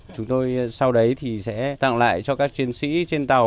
chúng tôi sau đấy thì sẽ tặng lại cho các chiến sĩ trên tàu